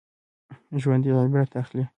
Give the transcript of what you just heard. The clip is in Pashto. ژوندي عبرت اخلي